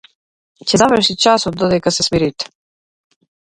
Ќе заврши часот додека се смирите.